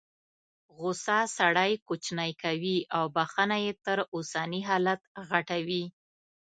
غوسه سړی کوچنی کوي او بخښنه یې تر اوسني حالت غټوي.